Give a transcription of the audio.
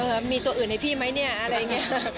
มีตัวอื่นให้พี่ไหมเนี่ยอะไรอย่างนี้